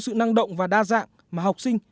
sự năng động và đa dạng mà học sinh